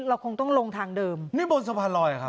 เราคงต้องลงทางเดิมนี่บนสะพานลอยอ่ะครับ